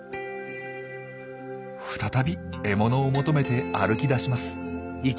再び獲物を求めて歩き出します。